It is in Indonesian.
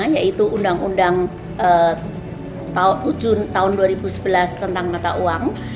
yaitu undang undang tahun dua ribu sebelas tentang mata uang